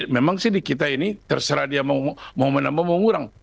memang sih di kita ini terserah dia mau menambah mau ngurang